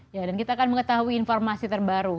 ya dan kita akan mengetahui informasi terbaru